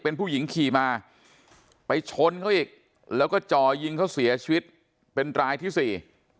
เป็นผู้หญิงขี่มาไปชนเขาอีกแล้วก็จ่อยิงเขาเสียชีวิตเป็นรายที่สี่